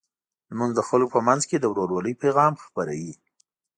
لمونځ د خلکو په منځ کې د ورورولۍ پیغام خپروي.